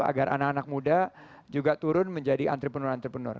agar anak anak muda juga turun menjadi entrepreneur entrepreneur